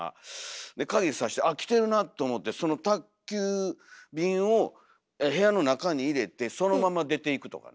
で鍵さしてあっ来てるなと思ってその宅急便を部屋の中に入れてそのまま出ていくとかね。